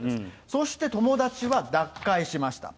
そして友達は脱会しました。